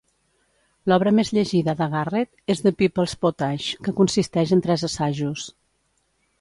L'obra més llegida de Garrett és "The People's Pottage", que consisteix en tres assajos.